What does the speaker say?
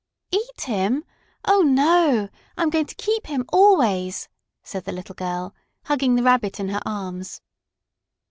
"Eat him! Oh, no! I am going to keep him, always!" said the little girl, hugging the Rabbit in her arms.